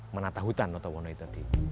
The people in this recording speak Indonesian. menata hutan notowono itu